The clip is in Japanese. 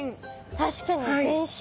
確かに全身。